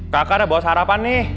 gak ada jawab